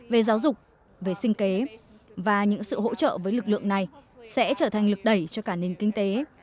về giáo dục về sinh kế và những sự hỗ trợ với lực lượng này sẽ trở thành lực đẩy cho cả nền kinh tế